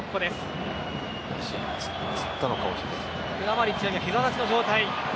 クラマリッチはひざ立ちの状態。